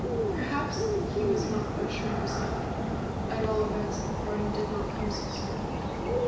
Perhaps he was not quite sure himself, at all events the parting did not come so soon.